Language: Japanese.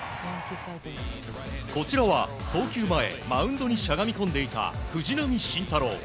こちらは、投球前マウンドにしゃがみ込んでいた藤浪晋太郎。